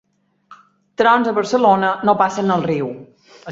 Trons a Barcelona, no passen el riu.